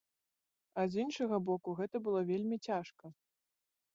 А з іншага боку, гэта было вельмі цяжка.